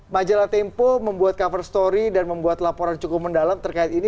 majalah tempo membuat cover story dan membuat laporan cukup mendalam terkait ini